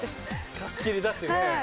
貸し切りだしね。